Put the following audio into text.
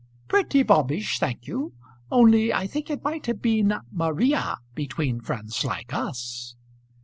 "Pretty bobbish, thank you. Only I think it might have been Maria between friends like us."